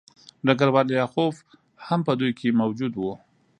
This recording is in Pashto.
ډګروال لیاخوف هم په دوی کې موجود و